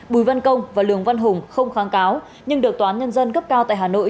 bùi văn công và lường văn hùng không kháng cáo nhưng được toán nhân dân cấp cao tại hà nội